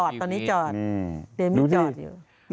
เดมี่จอดอยู่น่ารักไหม